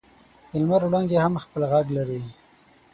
د لمر وړانګې هم خپل ږغ لري.